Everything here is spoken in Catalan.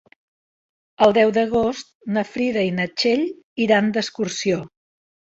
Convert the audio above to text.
El deu d'agost na Frida i na Txell iran d'excursió.